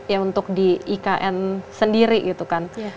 ya untuk di ikn sendiri gitu kan